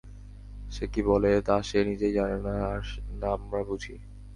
সে কি বলে তা সে নিজেই জানে না, আর না আমরা বুঝি।